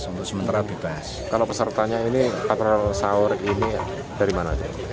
kalau pesertanya ini patrol sahur ini dari mana